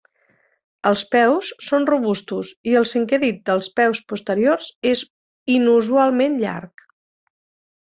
Els peus són robustos i el cinquè dit dels peus posteriors és inusualment llarg.